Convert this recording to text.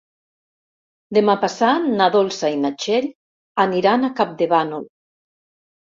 Demà passat na Dolça i na Txell aniran a Campdevànol.